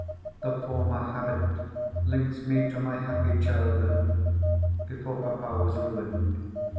The former habit links me to my happy childhood—before papa was ruined.